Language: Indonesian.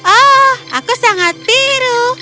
oh aku sangat biru